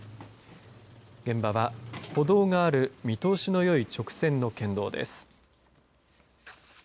現場は歩道がある見通しのよい直線の県道です。